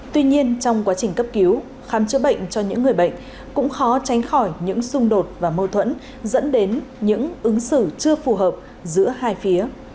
tuy nhiên trong quá trình cấp cứu khám chữa bệnh cho những người bệnh cũng khó tránh khỏi những xung đột và mâu thuẫn dẫn đến những ứng xử chưa phù hợp giữa hai phía